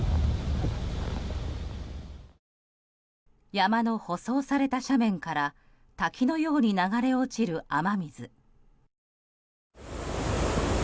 山の舗装された斜面から滝のように流れ落ちる雨水。